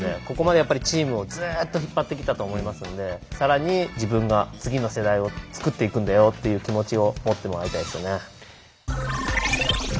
ここまでやっぱりチームをずっと引っ張ってきたと思いますんで更に自分が次の世代を作っていくんだよっていう気持ちを持ってもらいたいですよね。